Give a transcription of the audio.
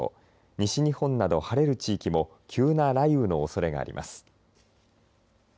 西日本など晴れる地域も急な雷雨のおそれがあります。